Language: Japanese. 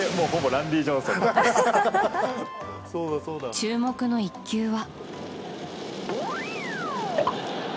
注目の一球は。